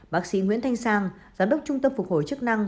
bác sĩ nguyễn thanh sang giám đốc trung tâm phục hồi chức năng